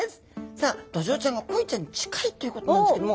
さあドジョウちゃんがコイちゃんに近いということなんですけども。